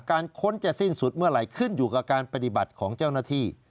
ค้นจะสิ้นสุดเมื่อไหร่ขึ้นอยู่กับการปฏิบัติของเจ้าหน้าที่